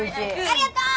ありがとう！